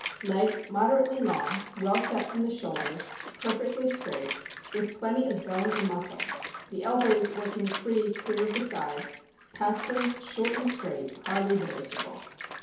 Legs moderately long, well set from the shoulders, perfectly straight, with plenty of bone and muscle; the elbows work ing freely clear of the sides, pasterns short and straight, hardly noticeable.